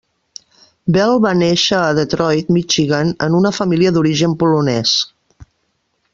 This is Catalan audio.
Bell va néixer a Detroit, Michigan, en una família d'origen polonès.